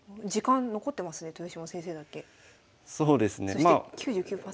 そして９９％。